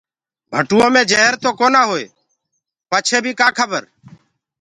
ڀٽوئو مي جهر تو ڪونآ هوئي پچي بي ڪآ کبر؟